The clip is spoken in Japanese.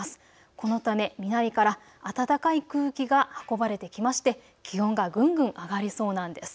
このため南から暖かい空気が運ばれてきまして気温がぐんぐん上がりそうなんです。